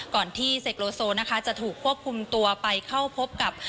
ก่อนที่เซโกโซจะถูกควบคุมตัวไปเข้าพบกับ